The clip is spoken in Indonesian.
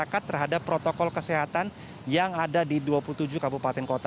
masyarakat terhadap protokol kesehatan yang ada di dua puluh tujuh kabupaten kota